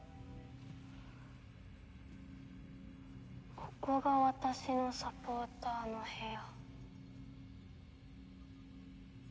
ここが私のサポーターの部屋。